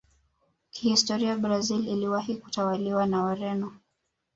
kihistori brazil iliwahi kutawaliwa na Wareno